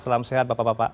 selamat sehat bapak bapak